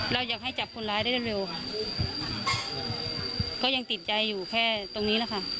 เราอยากให้จับคนร้ายได้เร็วค่ะก็ยังติดใจอยู่แค่ตรงนี้แหละค่ะ